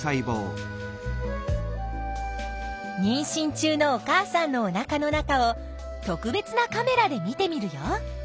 にんしん中のお母さんのおなかの中を特別なカメラで見てみるよ！